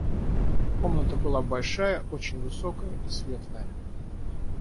Комната была большая, очень высокая и светлая.